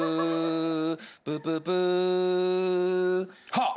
はっ！